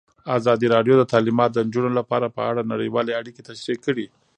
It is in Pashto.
ازادي راډیو د تعلیمات د نجونو لپاره په اړه نړیوالې اړیکې تشریح کړي.